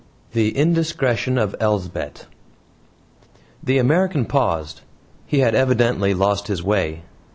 THE INDISCRETION OF ELSBETH The American paused. He had evidently lost his way.